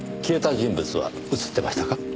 消えた人物は映ってましたか？